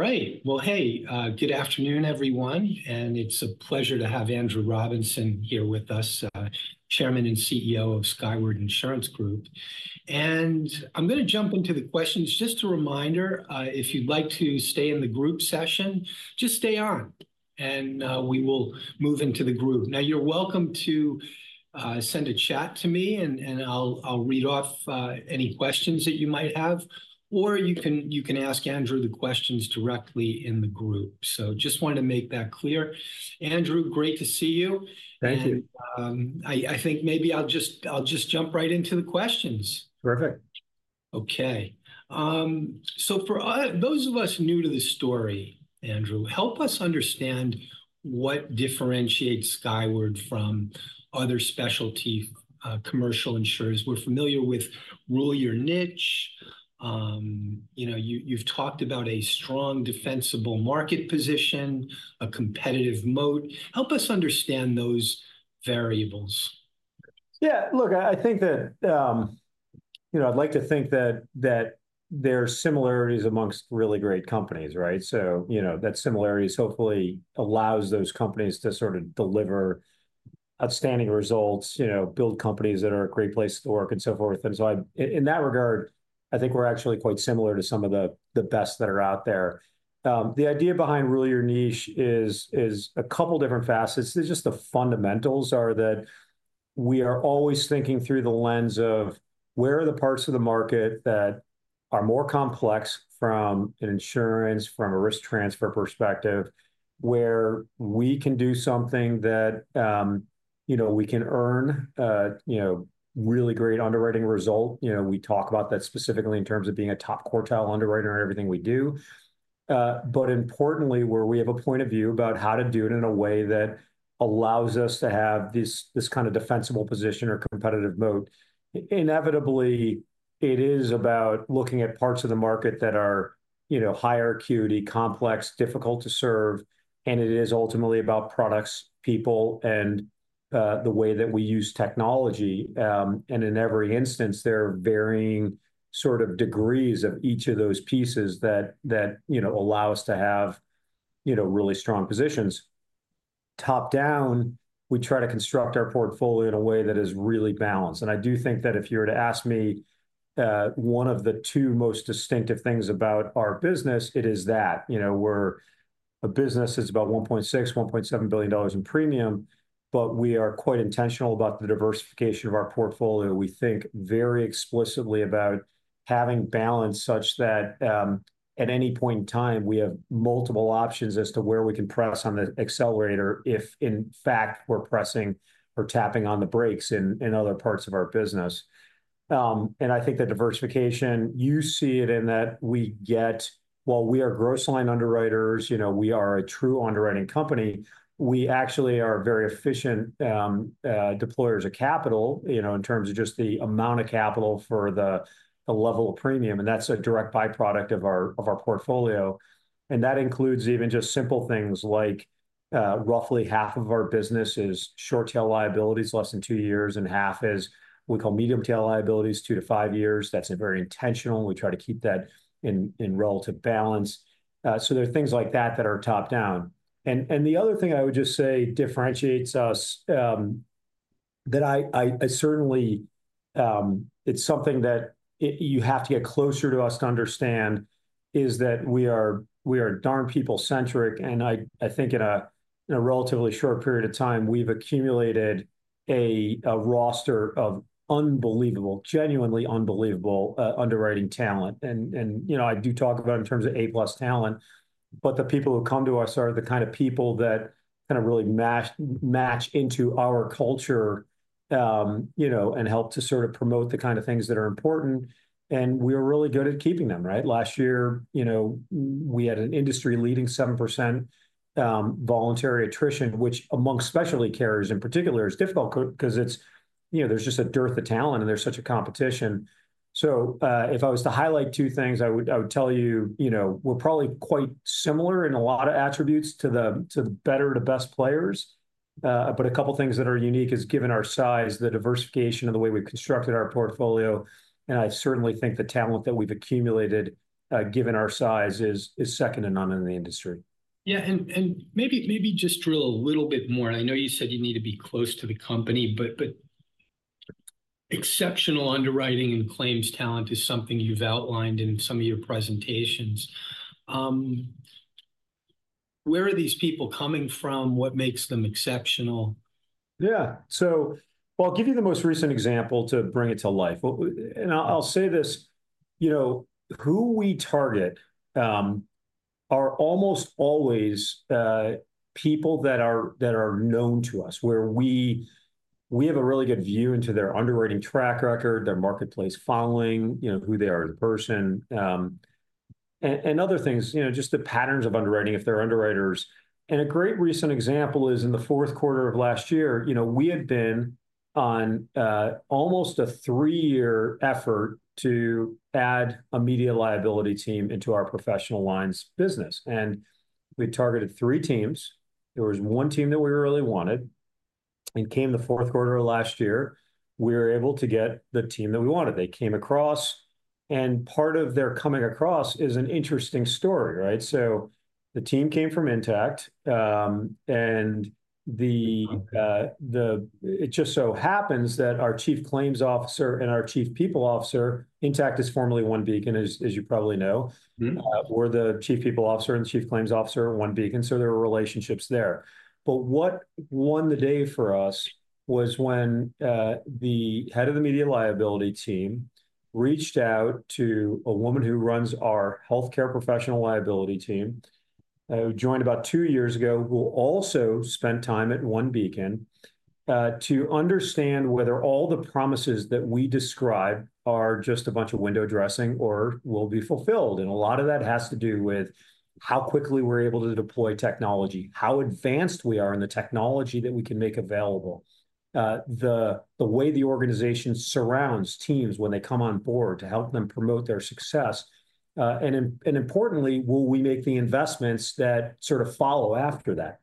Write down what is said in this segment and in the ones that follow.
All right. Well, hey, good afternoon, everyone, and it's a pleasure to have Andrew Robinson here with us, Chairman and CEO of Skyward Insurance Group. And I'm gonna jump into the questions. Just a reminder, if you'd like to stay in the group session, just stay on, and we will move into the group. Now, you're welcome to send a chat to me, and I'll read off any questions that you might have, or you can ask Andrew the questions directly in the group. So just wanted to make that clear. Andrew, great to see you. Thank you. I think maybe I'll just jump right into the questions. Perfect. Okay. So for us, those of us new to the story, Andrew, help us understand what differentiates Skyward from other specialty commercial insurers. We're familiar with ruling your niche. You know, you've talked about a strong defensible market position, a competitive moat. Help us understand those variables. Yeah, look, I, I think that, you know, I'd like to think that, that there are similarities amongst really great companies, right? So, you know, that similarities hopefully allows those companies to sort of deliver outstanding results, you know, build companies that are a great place to work, and so forth. And so in, in that regard, I think we're actually quite similar to some of the, the best that are out there. The idea behind rule your niche is, is a couple different facets. It's just the fundamentals are that we are always thinking through the lens of: where are the parts of the market that are more complex from an insurance, from a risk transfer perspective, where we can do something that, you know, we can earn, you know, really great underwriting result? You know, we talk about that specifically in terms of being a top-quartile underwriter in everything we do. But importantly, where we have a point of view about how to do it in a way that allows us to have this, this kind of defensible position or competitive moat. Inevitably, it is about looking at parts of the market that are, you know, higher acuity, complex, difficult to serve, and it is ultimately about products, people, and the way that we use technology. And in every instance, there are varying sort of degrees of each of those pieces that you know, allow us to have, you know, really strong positions. Top-down, we try to construct our portfolio in a way that is really balanced, and I do think that if you were to ask me, one of the two most distinctive things about our business, it is that. You know, we're a business that's about $1.6-$1.7 billion in premium, but we are quite intentional about the diversification of our portfolio. We think very explicitly about having balance, such that, at any point in time, we have multiple options as to where we can press on the accelerator if, in fact, we're pressing or tapping on the brakes in other parts of our business. And I think the diversification, you see it in that we get- While we are gross line underwriters, you know, we are a true underwriting company, we actually are very efficient deployers of capital, you know, in terms of just the amount of capital for the level of premium, and that's a direct by-product of our portfolio. And that includes even just simple things like, roughly half of our business is short-tail liabilities, less than two years, and half is we call medium-tail liabilities, two to five years. That's very intentional. We try to keep that in relative balance. So there are things like that that are top-down. And the other thing I would just say differentiates us, that I certainly- It's something that you have to get closer to us to understand, is that we are, we are darn people-centric, and I, I think in a, in a relatively short period of time, we've accumulated a, a roster of unbelievable, genuinely unbelievable, underwriting talent. And you know, I do talk about in terms of A-plus talent, but the people who come to us are the kind of people that kind of really match into our culture, you know, and help to sort of promote the kind of things that are important, and we are really good at keeping them, right? Last year, you know, we had an industry-leading 7%, voluntary attrition, which amongst specialty carriers in particular, is difficult because it's, you know, there's just a dearth of talent, and there's such a competition. So, if I was to highlight two things, I would, I would tell you, you know, we're probably quite similar in a lot of attributes to the, to the better, the best players. But a couple things that are unique is, given our size, the diversification and the way we've constructed our portfolio, and I certainly think the talent that we've accumulated, given our size, is, is second to none in the industry. Yeah, and maybe just drill a little bit more. I know you said you need to be close to the company, but exceptional underwriting and claims talent is something you've outlined in some of your presentations. Where are these people coming from? What makes them exceptional? Yeah, so well, I'll give you the most recent example to bring it to life. And I'll say this: you know, who we target are almost always people that are known to us, where we have a really good view into their underwriting track record, their marketplace following, you know, who they are as a person. And other things, you know, just the patterns of underwriting if they're underwriters. And a great recent example is in the fourth quarter of last year, you know, we had been on almost a three-year effort to add a media liability team into our professional lines business, and we targeted three teams. There was one team that we really wanted, and came the fourth quarter of last year, we were able to get the team that we wanted. They came across, and part of their coming across is an interesting story, right? So the team came from Intact, and it just so happens that our Chief Claims Officer and our Chief People Officer, Intact is formerly OneBeacon, as you probably know. Mm-hmm. We were the Chief People Officer and Chief Claims Officer at OneBeacon, so there were relationships there. But what won the day for us was when the head of the media liability team reached out to a woman who runs our healthcare professional liability team, who joined about two years ago, who also spent time at OneBeacon, to understand whether all the promises that we describe are just a bunch of window dressing or will be fulfilled. And a lot of that has to do with how quickly we're able to deploy technology, how advanced we are in the technology that we can make available, the way the organization surrounds teams when they come on board to help them promote their success. And importantly, will we make the investments that sort of follow after that?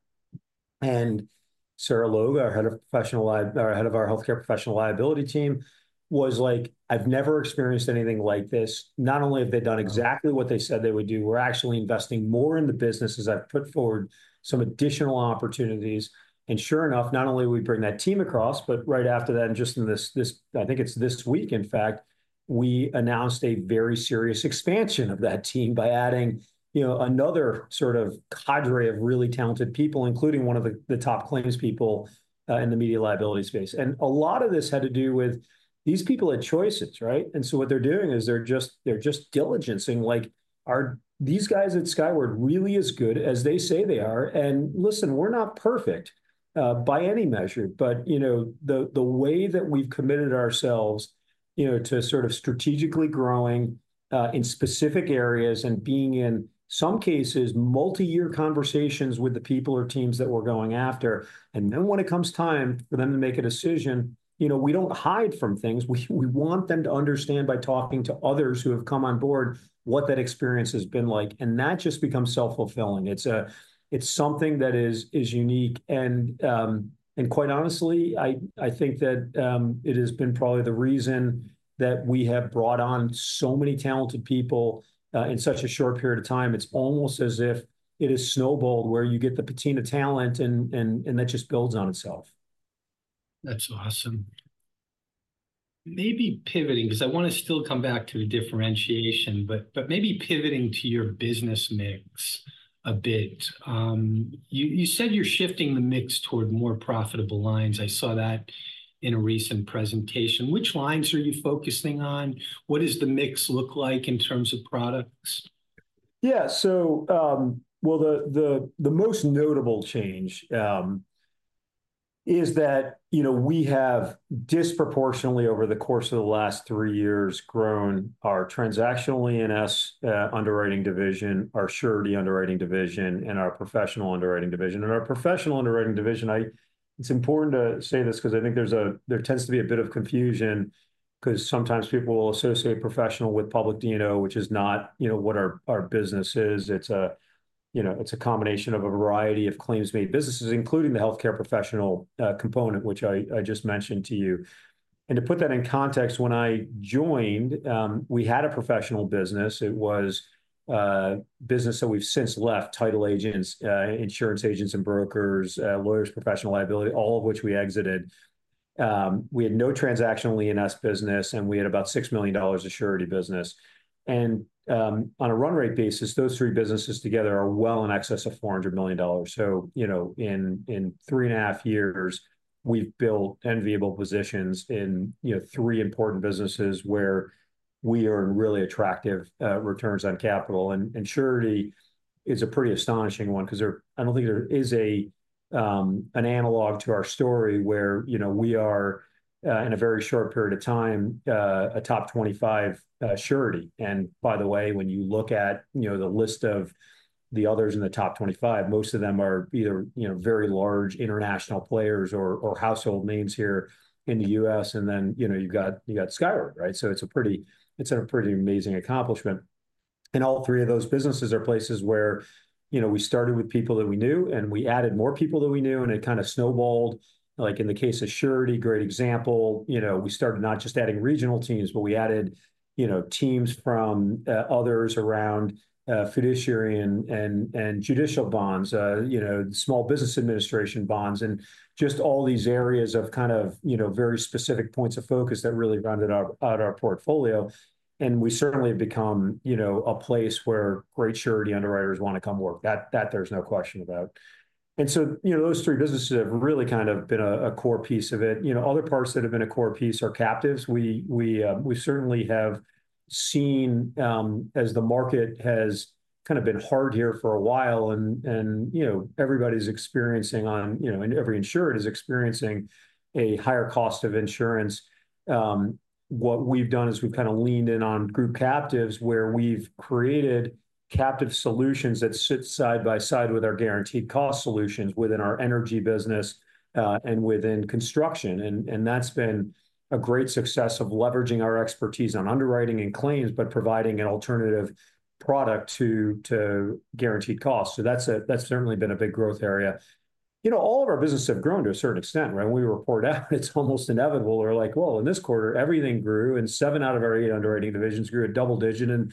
Sarah Logue, our head of professional liability—our head of our healthcare professional liability team, was like: "I've never experienced anything like this. Not only have they done exactly what they said they would do, we're actually investing more in the business as I've put forward some additional opportunities." And sure enough, not only do we bring that team across, but right after that, and just in this -- I think it's this week, in fact, we announced a very serious expansion of that team by adding, you know, another sort of cadre of really talented people, including one of the top claims people in the media liability space. And a lot of this had to do with, these people had choices, right? What they're doing is they're just, they're just diligencing, like, are these guys at Skyward really as good as they say they are? And listen, we're not perfect by any measure, but you know, the way that we've committed ourselves, you know, to sort of strategically growing in specific areas and being, in some cases, multi-year conversations with the people or teams that we're going after, and then when it comes time for them to make a decision, you know, we don't hide from things. We want them to understand by talking to others who have come on board what that experience has been like, and that just becomes self-fulfilling. It's something that is unique and quite honestly, I think that it has been probably the reason that we have brought on so many talented people in such a short period of time. It's almost as if it has snowballed, where you get the premier talent, and that just builds on itself. That's awesome. Maybe pivoting, 'cause I wanna still come back to the differentiation, but maybe pivoting to your business mix a bit, you said you're shifting the mix toward more profitable lines. I saw that in a recent presentation. Which lines are you focusing on? What does the mix look like in terms of products? Yeah, so, well, the most notable change is that, you know, we have disproportionately, over the course of the last three years, grown our transactional E&S underwriting division, our surety underwriting division, and our professional underwriting division. And our professional underwriting division, it's important to say this, 'cause I think there tends to be a bit of confusion, 'cause sometimes people will associate professional with public D&O, which is not, you know, what our business is. It's a, you know, it's a combination of a variety of claims-made businesses, including the healthcare professional component, which I just mentioned to you. And to put that in context, when I joined, we had a professional business. It was a business that we've since left, title agents, insurance agents and brokers, lawyers' professional liability, all of which we exited. We had no transactional E&S business, and we had about $6 million of surety business. On a run rate basis, those three businesses together are well in excess of $400 million. So, you know, in three and a half years, we've built enviable positions in, you know, three important businesses, where we earn really attractive returns on capital. Surety is a pretty astonishing one, 'cause I don't think there is an analog to our story, where, you know, we are in a very short period of time a top 25 surety. And by the way, when you look at, you know, the list of the others in the top 25, most of them are either, you know, very large international players or, or household names here in the U.S., and then, you know, you've got- you've got Skyward, right? So it's a pretty, it's a pretty amazing accomplishment. And all three of those businesses are places where, you know, we started with people that we knew, and we added more people that we knew, and it kind of snowballed. Like in the case of surety, great example, you know, we started not just adding regional teams, but we added, you know, teams from others around fiduciary and judicial bonds, you know, Small Business Administration bonds, and just all these areas of kind of, you know, very specific points of focus that really rounded out our portfolio. We certainly have become, you know, a place where great surety underwriters wanna come work. That there's no question about. So, you know, those three businesses have really kind of been a core piece of it. You know, other parts that have been a core piece are captives. We certainly have seen as the market has -- kind of been hard here for a while, and you know, everybody's experiencing on, you know, and every insurer is experiencing a higher cost of insurance. What we've done is we've kind of leaned in on group captives, where we've created captive solutions that sit side by side with our guaranteed cost solutions within our energy business, and within construction. That's been a great success of leveraging our expertise on underwriting and claims, but providing an alternative product to guaranteed costs. So that's certainly been a big growth area. You know, all of our businesses have grown to a certain extent, right? When we report out, it's almost inevitable. We're like, "Well, in this quarter, everything grew, and 7 out of our 8 underwriting divisions grew at double-digit, and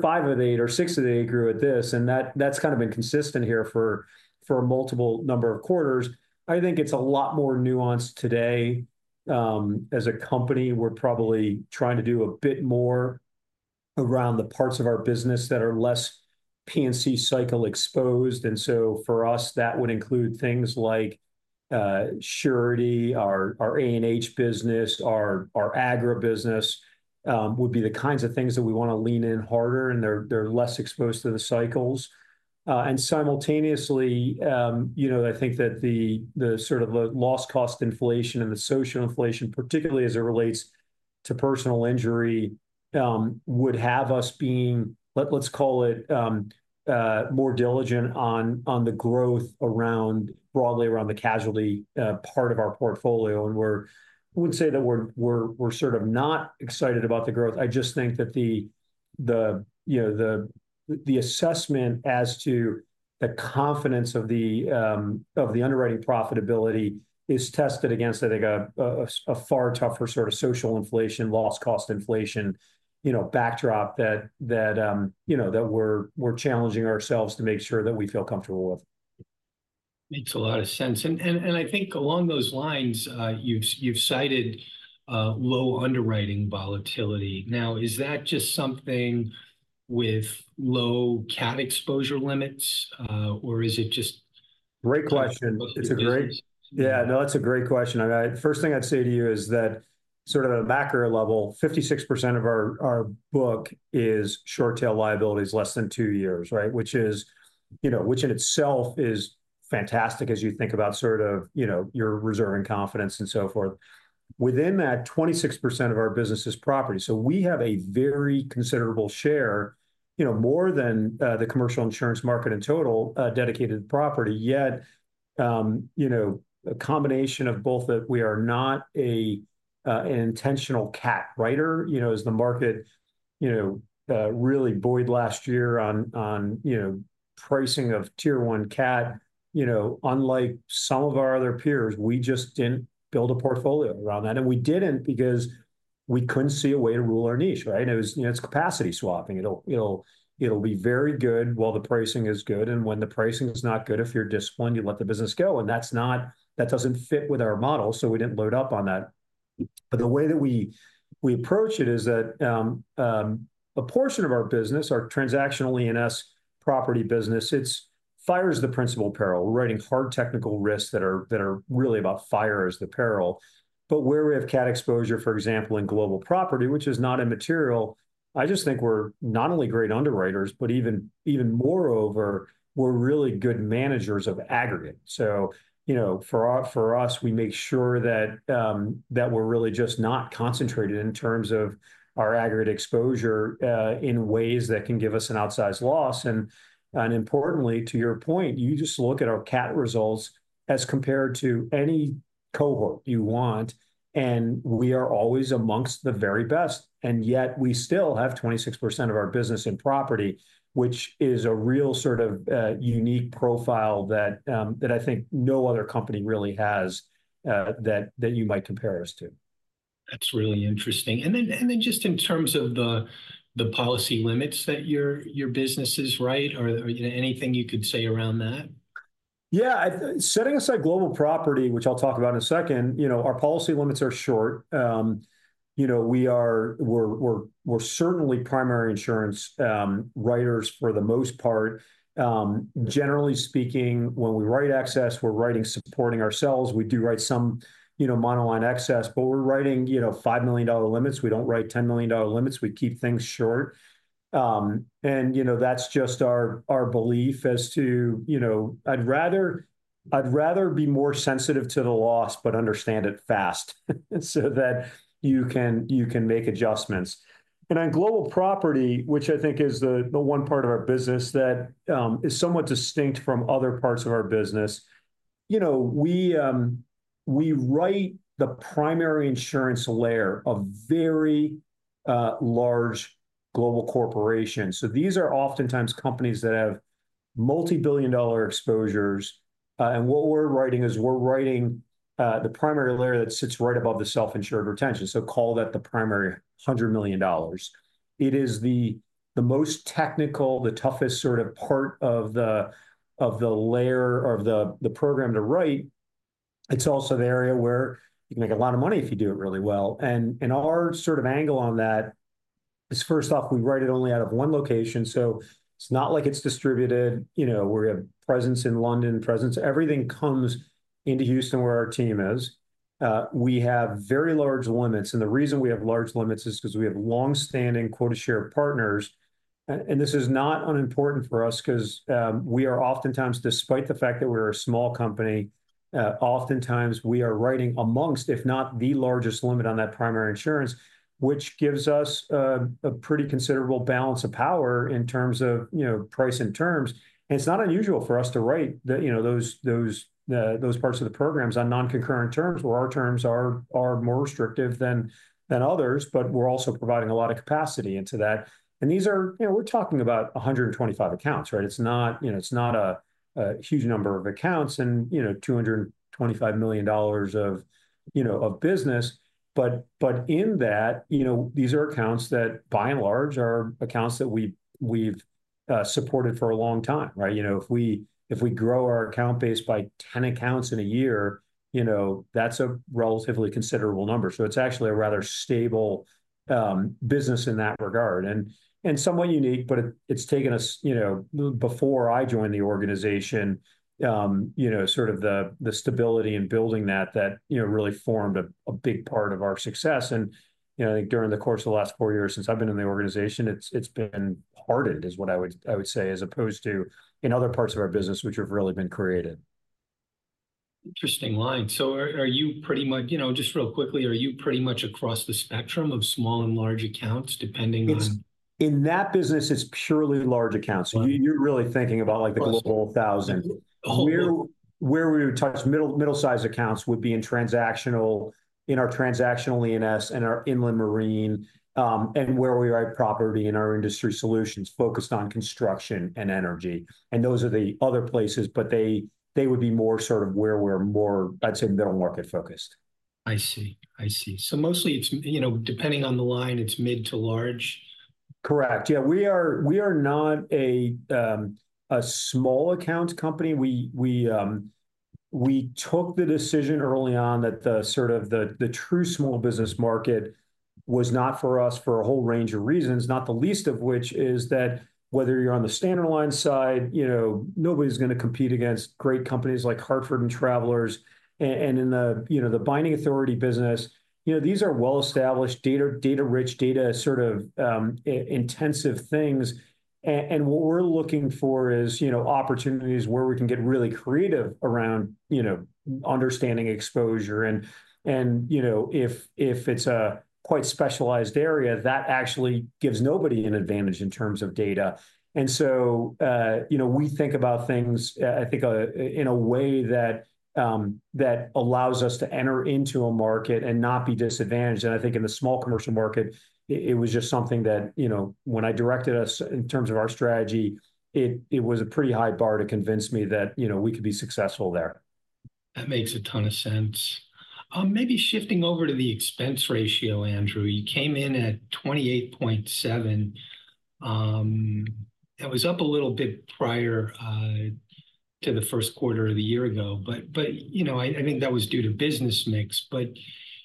five of the eight or six of the eight grew at this," and that, that's kind of been consistent here for a multiple number of quarters. I think it's a lot more nuanced today. As a company, we're probably trying to do a bit more around the parts of our business that are less P&C cycle exposed, and so for us, that would include things like surety, our A&H business, our agribusiness would be the kinds of things that we wanna lean in harder, and they're less exposed to the cycles. And simultaneously, you know, I think that the sort of loss cost inflation and the social inflation, particularly as it relates to personal injury, would have us being, let's call it, more diligent on the growth around, broadly around the casualty part of our portfolio. And we're -- I wouldn't say that we're sort of not excited about the growth, I just think that the, you know, the assessment as to the confidence of the underwriting profitability is tested against, I think, a far tougher sort of social inflation, loss cost inflation, you know, backdrop that, you know, that we're challenging ourselves to make sure that we feel comfortable with. Makes a lot of sense. And I think along those lines, you've cited low underwriting volatility. Now, is that just something with low cat exposure limits, or is it just- Great question. Most of the business? It's a great. Yeah, no, that's a great question. I first thing I'd say to you is that sort of at a macro level, 56% of our book is short tail liabilities, less than two years, right? Which is, you know, in itself is fantastic as you think about sort of, you know, your reserve and confidence, and so forth. Within that, 26% of our business is property, so we have a very considerable share, you know, more than the commercial insurance market in total dedicated to property. Yet, you know, a combination of both that we are not an intentional cat writer. You know, as the market, you know, really buoyed last year on, on, you know, pricing of tier one cat, you know, unlike some of our other peers, we just didn't build a portfolio around that, and we didn't because we couldn't see a way to rule our niche, right? It was, you know, it's capacity swapping. It'll, it'll, it'll be very good while the pricing is good, and when the pricing is not good, if you're disciplined, you let the business go, and that's not -- that doesn't fit with our model, so we didn't load up on that. But the way that we, we approach it is that, a portion of our business, our transactional E&S property business, it's fire is the principal peril. We're writing hard technical risks that are, that are really about fire as the peril. But where we have cat exposure, for example, in global property, which is not immaterial, I just think we're not only great underwriters, but even, even moreover, we're really good managers of aggregate. So, you know, for us, we make sure that that we're really just not concentrated in terms of our aggregate exposure, in ways that can give us an outsized loss. And importantly, to your point, you just look at our cat results as compared to any cohort you want, and we are always amongst the very best, and yet we still have 26% of our business in property, which is a real sort of unique profile that that I think no other company really has, that you might compare us to. That's really interesting. And then just in terms of the policy limits that your business is, right, are there anything you could say around that? Yeah, setting aside global property, which I'll talk about in a second, you know, our policy limits are short. You know, we're certainly primary insurance writers for the most part. Generally speaking, when we write excess, we're writing supporting ourselves. We do write some, you know, monoline excess, but we're writing, you know, $5 million limits. We don't write $10 million limits. We keep things short. And, you know, that's just our belief as to, you know -- I'd rather be more sensitive to the loss, but understand it fast, so that you can make adjustments. On Global Property, which I think is the one part of our business that is somewhat distinct from other parts of our business, you know, we write the primary insurance layer of very large global corporations. So these are oftentimes companies that have multi-billion dollar exposures, and what we're writing is we're writing the primary layer that sits right above the self-insured retention, so call that the primary $100 million. It is the most technical, the toughest sort of part of the layer of the program to write. It's also the area where you can make a lot of money if you do it really well. And our sort of angle on that is, first off, we write it only out of one location, so it's not like it's distributed. You know, we have presence in London, presence. Everything comes into Houston, where our team is. We have very large limits, and the reason we have large limits is 'cause we have longstanding quota share partners. And this is not unimportant for us, 'cause we are oftentimes, despite the fact that we're a small company, oftentimes we are writing amongst, if not the largest, limit on that primary insurance, which gives us a pretty considerable balance of power in terms of, you know, price and terms. And it's not unusual for us to write the, you know, those parts of the programs on non-concurrent terms, where our terms are more restrictive than others, but we're also providing a lot of capacity into that. And these are. You know, we're talking about 125 accounts, right? It's not, you know, it's not a huge number of accounts, and, you know, $225 million of, you know, of business. But, but in that, you know, these are accounts that, by and large, are accounts that we've supported for a long time, right? You know, if we, if we grow our account base by 10 accounts in a year, you know, that's a relatively considerable number. So it's actually a rather stable business in that regard, and, and somewhat unique, but it's taken us, you know, before I joined the organization, you know, sort of the, the stability in building that, that, you know, really formed a big part of our success. You know, during the course of the last four years since I've been in the organization, it's been hardened, is what I would say, as opposed to in other parts of our business, which have really been created. Interesting line. So are you pretty much -- you know, just real quickly, are you pretty much across the spectrum of small and large accounts, depending on- It's, in that business, it's purely large accounts. Okay. So you're really thinking about, like, the Global 1000. Well, the whole- Where we would touch middle-size accounts would be in our transactional E&S, in our inland marine, and where we write property in our industry solutions, focused on construction and energy, and those are the other places. But they would be more sort of where we're more, I'd say, middle-market focused. I see. I see. So mostly it's, you know, depending on the line, it's mid to large? Correct. Yeah, we are not a small accounts company. We took the decision early on that the sort of true small business market was not for us for a whole range of reasons, not the least of which is that whether you're on the standard line side, you know, nobody's gonna compete against great companies like Hartford and Travelers. And in the, you know, the binding authority business, you know, these are well-established, data-rich, data-intensive things. And what we're looking for is, you know, opportunities where we can get really creative around, you know, understanding exposure. And you know, if it's a quite specialized area, that actually gives nobody an advantage in terms of data. So, you know, we think about things, I think, in a way that allows us to enter into a market and not be disadvantaged. I think in the small commercial market, it was just something that, you know, when I directed us in terms of our strategy, it was a pretty high bar to convince me that, you know, we could be successful there. That makes a ton of sense. Maybe shifting over to the expense ratio, Andrew, you came in at 28.7. That was up a little bit prior to the first quarter of the year ago, but you know, I think that was due to business mix. But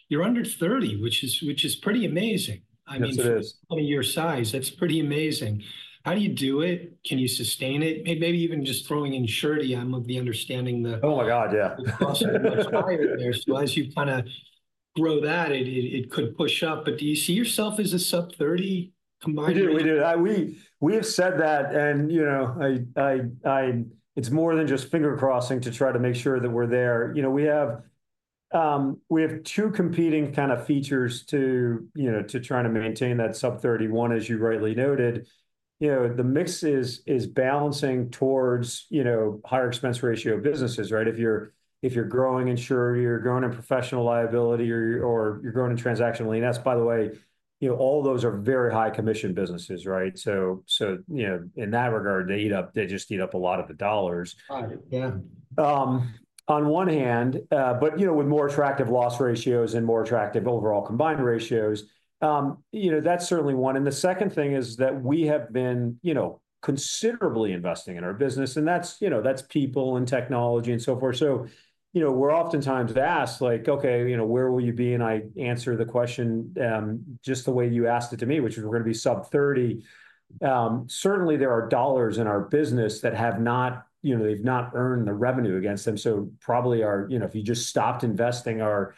you're under 30, which is pretty amazing. Yes, it is. I mean, for your size, that's pretty amazing. How do you do it? Can you sustain it? Maybe even just throwing in surety, I'm of the understanding that- Oh, my God, yeah. The costs are much higher there, so as you kind of grow that, it could push up. But do you see yourself as a sub-30 combined- We do. We do. We have said that, and, you know, it's more than just finger-crossing to try to make sure that we're there. You know, we have two competing kind of features to, you know, to try to maintain that sub-30. One, as you rightly noted, you know, the mix is balancing towards, you know, higher expense ratio businesses, right? If you're growing in surety, or you're growing in professional liability, or you're growing in transactional E&S, that's, by the way, you know, all those are very high commission businesses, right? So, you know, in that regard, they eat up, they just eat up a lot of the dollars. Right, yeah. On one hand, but, you know, with more attractive loss ratios and more attractive overall combined ratios, you know, that's certainly one. And the second thing is that we have been, you know, considerably investing in our business, and that's, you know, that's people and technology and so forth. So, you know, we're oftentimes asked, like, "Okay, you know, where will you be?" And I answer the question, just the way you asked it to me, which is we're gonna be sub-30. Certainly there are dollars in our business that have not, you know, they've not earned the revenue against them, so probably our -- you know, if you just stopped investing, our,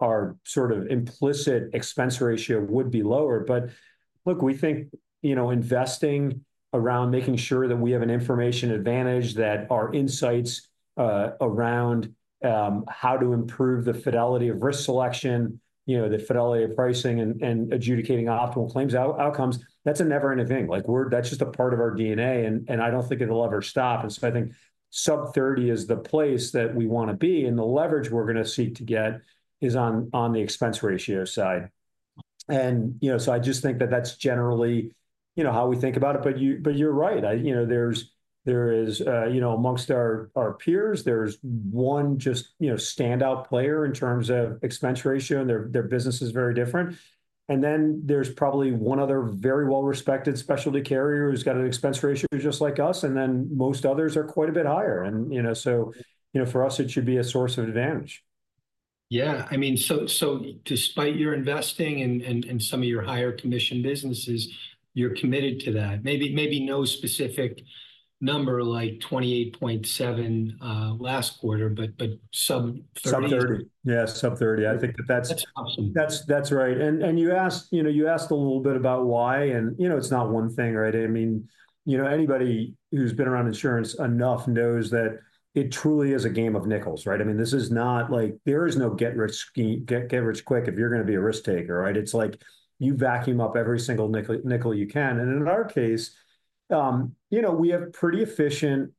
our sort of implicit expense ratio would be lower. But look, we think, you know, investing around making sure that we have an information advantage, that our insights, around, how to improve the fidelity of risk selection, you know, the fidelity of pricing and, and adjudicating optimal claims outcomes, that's a never-ending thing. Like, that's just a part of our DNA, and, and I don't think it'll ever stop. And so I think sub-30 is the place that we wanna be, and the leverage we're gonna seek to get is on, on the expense ratio side. And, you know, so I just think that that's generally, you know, how we think about it. But you, but you're right. I -- you know, there's, there is, you know, amongst our peers, there's one just, you know, standout player in terms of expense ratio, and their business is very different. Then there's probably one other very well-respected specialty carrier who's got an expense ratio just like us, and then most others are quite a bit higher. You know, so, you know, for us, it should be a source of advantage. Yeah. I mean, so despite your investing and some of your higher commission businesses, you're committed to that. Maybe no specific number, like 28.7 last quarter, but sub-30. Sub-30. Yeah, sub-30. I think that that's- That's awesome. That's right. And you asked, you know, you asked a little bit about why, and, you know, it's not one thing, right? I mean, you know, anybody who's been around insurance enough knows that it truly is a game of nickels, right? I mean, this is not like -- there is no get-rich scheme, get rich quick if you're gonna be a risk-taker, right? It's like you vacuum up every single nickel you can. And in our case, you know, we have pretty efficient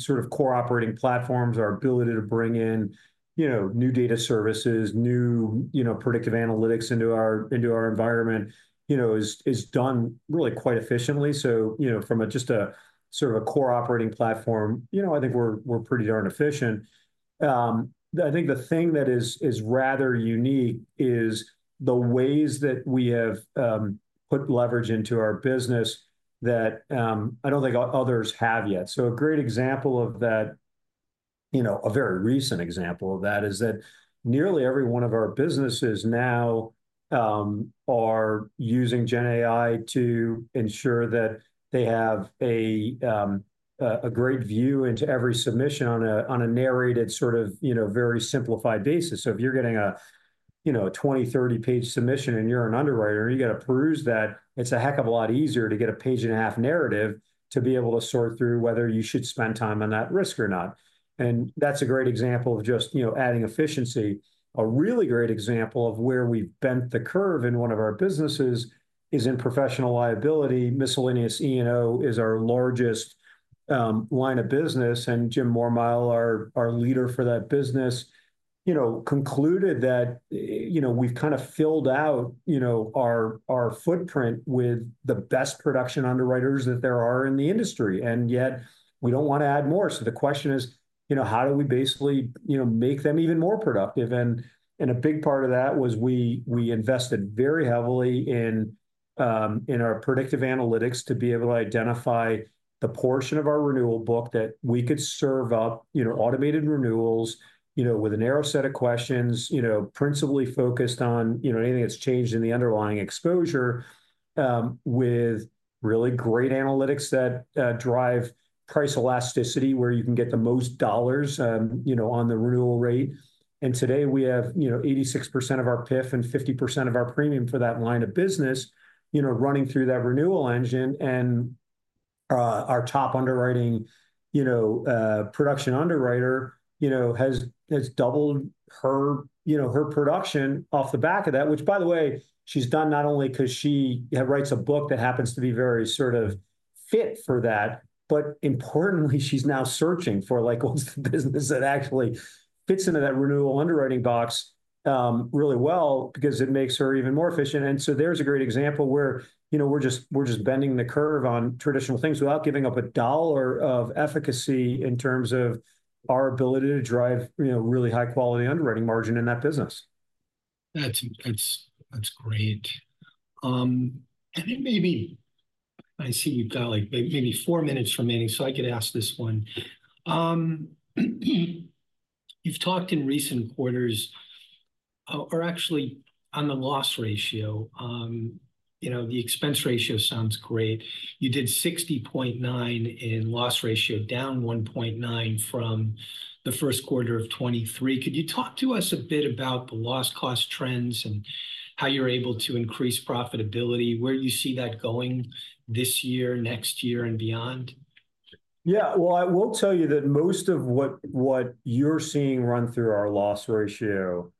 sort of core operating platforms. Our ability to bring in, you know, new data services, new, you know, predictive analytics into our environment, you know, is done really quite efficiently. So, you know, from just a sort of a core operating platform, you know, I think we're pretty darn efficient. I think the thing that is rather unique is the ways that we have put leverage into our business that I don't think others have yet. So a great example of that, you know, a very recent example of that, is that nearly every one of our businesses now are using GenAI to ensure that they have a great view into every submission on a narrated sort of, you know, very simplified basis. So if you're getting a, you know, a 20-30-page submission and you're an underwriter and you've got to peruse that, it's a heck of a lot easier to get a page-and-a-half narrative to be able to sort through whether you should spend time on that risk or not, and that's a great example of just, you know, adding efficiency. A really great example of where we've bent the curve in one of our businesses is in professional liability. Miscellaneous E&O is our largest line of business, and Jim Mormile, our leader for that business, you know, concluded that, you know, we've kind of filled out our footprint with the best production underwriters that there are in the industry, and yet we don't wanna add more. So the question is, you know, how do we basically make them even more productive? And a big part of that was we invested very heavily in our predictive analytics to be able to identify the portion of our renewal book that we could serve up, you know, automated renewals, you know, with a narrow set of questions, you know, principally focused on, you know, anything that's changed in the underlying exposure, with really great analytics that drive price elasticity, where you can get the most dollars, you know, on the renewal rate. And today we have, you know, 86% of our PIF and 50% of our premium for that line of business, you know, running through that renewal engine. And, our top underwriting, you know, production underwriter, you know, has doubled her, you know, her production off the back of that, which, by the way, she's done not only 'cause she writes a book that happens to be very sort of fit for that, but importantly, she's now searching for, like, all the business that actually fits into that renewal underwriting box, really well because it makes her even more efficient. And so there's a great example where, you know, we're just bending the curve on traditional things without giving up a dollar of efficacy in terms of our ability to drive, you know, really high-quality underwriting margin in that business. That's great. And then maybe -- I see you've got, like, maybe four minutes remaining, so I could ask this one. You've talked in recent quarters, or actually on the loss ratio, you know, the expense ratio sounds great. You did 60.9% loss ratio, down 1.9% from the first quarter of 2023. Could you talk to us a bit about the loss cost trends and how you're able to increase profitability, where you see that going this year, next year, and beyond? Yeah. Well, I will tell you that most of what you're seeing run through our loss ratio is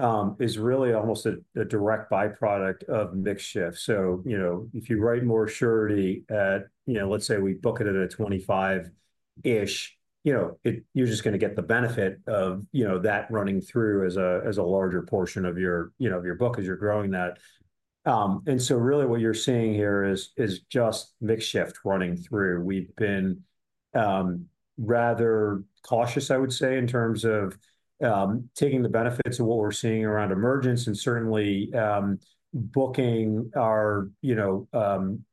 really almost a direct by-product of mix shift. So, you know, if you write more surety at, you know, let's say we book it at a 25-ish, you know, you're just gonna get the benefit of, you know, that running through as a larger portion of your, you know, of your book as you're growing that. And so really what you're seeing here is just mix shift running through. We've been rather cautious, I would say, in terms of taking the benefits of what we're seeing around emergence and certainly booking our, you know,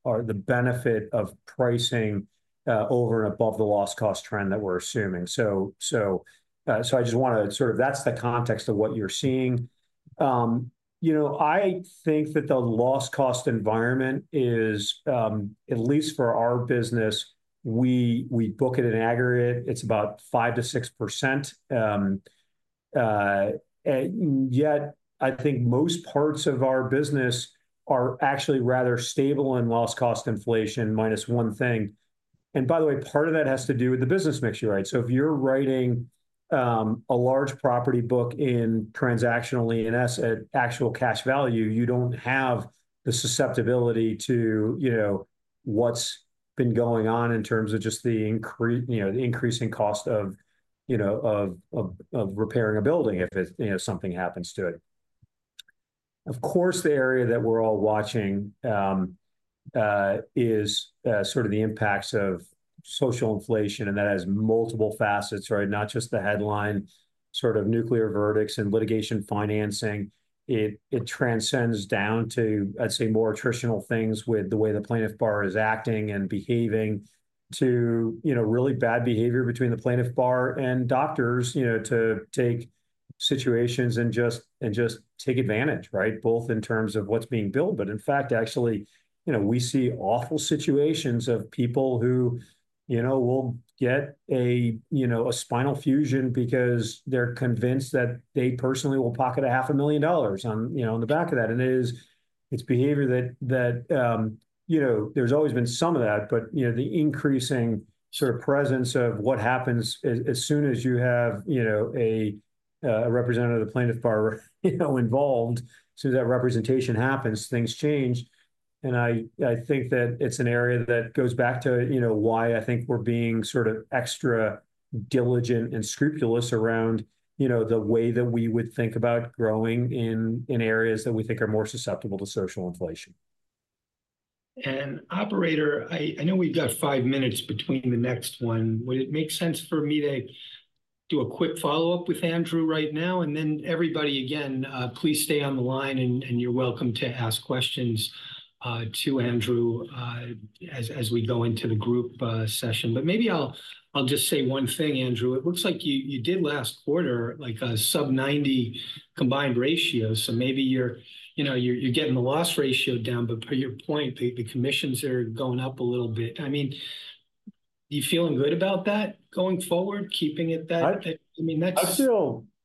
our, the benefit of pricing over and above the loss cost trend that we're assuming. So, so, so I just wanna sort of -- that's the context of what you're seeing. You know, I think that the loss cost environment is, at least for our business, we book at an aggregate, it's about 5%-6%. And yet I think most parts of our business are actually rather stable in loss cost inflation, minus one thing. And by the way, part of that has to do with the business mix you write. So if you're writing a large property book transactionally in E&S at actual cash value, you don't have the susceptibility to, you know, what's been going on in terms of just the increasing cost of, you know, repairing a building if it, you know, something happens to it. Of course, the area that we're all watching is sort of the impacts of social inflation, and that has multiple facets, right? Not just the headline, sort of nuclear verdicts and litigation financing. It transcends down to, I'd say, more attritional things with the way the plaintiff bar is acting and behaving to, you know, really bad behavior between the plaintiff bar and doctors, you know, to take situations and just take advantage, right? Both in terms of what's being billed, but in fact, actually, you know, we see awful situations of people who, you know, will get a, you know, a spinal fusion because they're convinced that they personally will pocket $500,000 on, you know, on the back of that. And it's behavior that, you know, there's always been some of that, but, you know, the increasing sort of presence of what happens as soon as you have, you know, a representative of the plaintiff bar, you know, involved, soon as that representation happens, things change. I think that it's an area that goes back to, you know, why I think we're being sort of extra diligent and scrupulous around, you know, the way that we would think about growing in areas that we think are more susceptible to social inflation. And operator, I know we've got five minutes between the next one. Would it make sense for me to do a quick follow-up with Andrew right now? And then everybody, again, please stay on the line, and you're welcome to ask questions to Andrew, as we go into the group session. But maybe I'll just say one thing, Andrew. It looks like you did last quarter, like a sub-90 combined ratio, so maybe you're, you know, you're getting the loss ratio down. But per your point, the commissions are going up a little bit. I mean, you feeling good about that going forward, keeping it that- I- I mean, that's-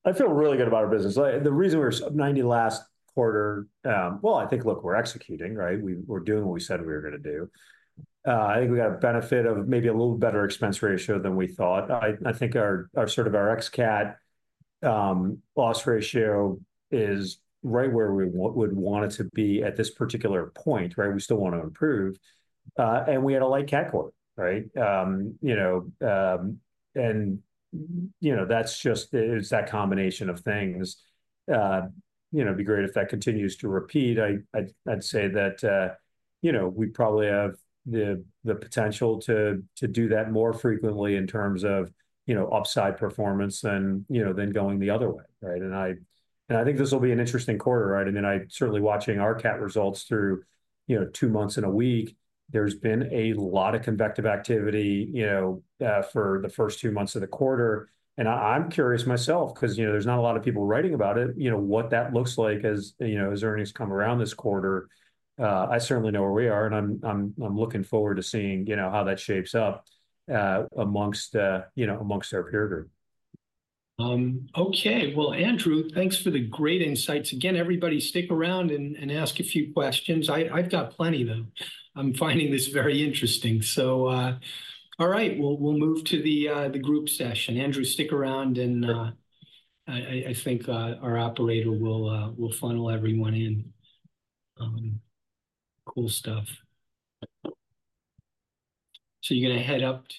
I feel really good about our business. Like, the reason we're sub-90 last quarter, well, I think, look, we're executing, right? We're doing what we said we were gonna do. I think we got a benefit of maybe a little better expense ratio than we thought. I think our sort of ex-cat loss ratio is right where we would want it to be at this particular point, right? We still wanna improve. And we had a light cat quarter, right? You know, and, you know, that's just -- it's that combination of things. You know, it'd be great if that continues to repeat. I'd say that, you know, we probably have the potential to do that more frequently in terms of, you know, upside performance than going the other way, right? And I think this will be an interesting quarter, right? And then I'm certainly watching our cat results through two months in a week. There's been a lot of convective activity, you know, for the first two months of the quarter. And I'm curious myself, 'cause, you know, there's not a lot of people writing about it, you know, what that looks like as, you know, as earnings come around this quarter. I certainly know where we are, and I'm looking forward to seeing, you know, how that shapes up amongst our peer group. Okay. Well, Andrew, thanks for the great insights. Again, everybody, stick around and ask a few questions. I've got plenty, though. I'm finding this very interesting. So, all right. We'll move to the group session. Andrew, stick around, and I think our operator will funnel everyone in. Cool stuff. So you're gonna head up to-